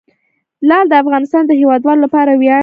لعل د افغانستان د هیوادوالو لپاره ویاړ دی.